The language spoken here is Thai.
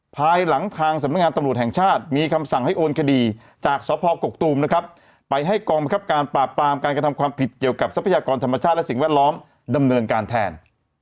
ภายหลังทางสำนักงานตำรวจแห่งชาติมีคำสั่งให้โอนคดีจากสพกกตูมนะครับไปให้กองบังคับการปราบปรามการกระทำความผิดเกี่ยวกับทรัพยากรธรรมชาติและสิ่งแวดล้อมดำเนินการแทน